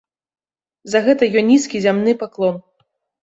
За гэта ёй нізкі зямны паклон!